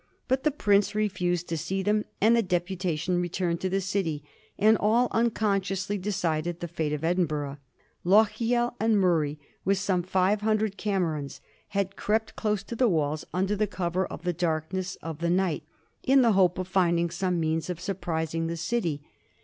But the prince refused to see them, and the deputation returned to the city, and all unconsciously decided the fate of Edinburgh. Lochiel and Murray, with some five hundred Camerons, had crept close to the walls under the cover of the darkness of the night, in the hope of findmg some means of surprising the city.